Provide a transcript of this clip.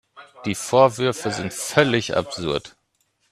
Die Vorwürfe sind völlig absurd.